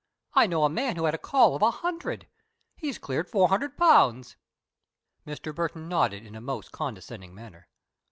I know a man who had a call of a hundred. He's cleared four hundred pounds." Mr. Burton nodded in a most condescending manner.